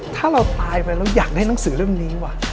ถ้าเราตายไปเราอยากได้หนังสือเรื่องนี้วะ